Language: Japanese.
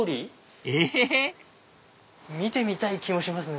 えっ⁉見てみたい気もしますね。